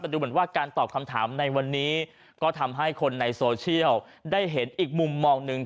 ดูเหมือนว่าการตอบคำถามในวันนี้ก็ทำให้คนในโซเชียลได้เห็นอีกมุมมองหนึ่ง